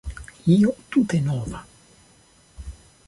Io tute nova.